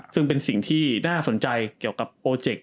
ซึ่งเป็นสิ่งที่น่าสนใจเกี่ยวกับโปรเจกต์